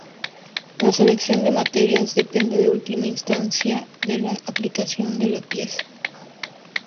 La selección de materiales depende en última instancia de la aplicación de la pieza.